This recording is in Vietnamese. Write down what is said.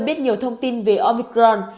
nhưng có rất nhiều thông tin về omicron